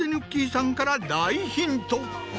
さんから大ヒント。